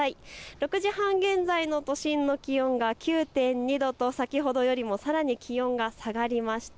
６時半現在の都心の気温が９．２度と先ほどよりもさらに気温が下がりました。